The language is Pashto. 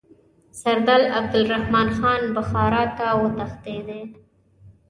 سردار عبدالرحمن خان بخارا ته وتښتېدی.